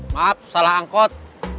maaf salah angkot